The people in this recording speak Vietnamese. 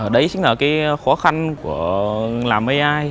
đấy chính là cái khó khăn của làm ai